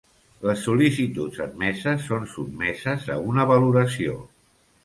Les sol·licituds admeses són sotmeses a una valoració.